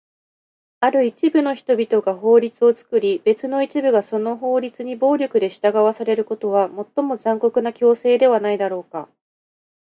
ある一部の人々が法律を作り、別の一部がその法律に暴力で従わされることは、最も残酷な強制ではないだろうか？